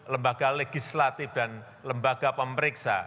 lembaga legislatif dan lembaga pemeriksa